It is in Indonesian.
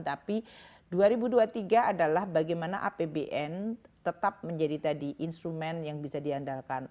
tapi dua ribu dua puluh tiga adalah bagaimana apbn tetap menjadi tadi instrumen yang bisa diandalkan